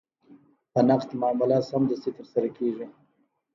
په نقد معامله سمدستي ترسره کېږي.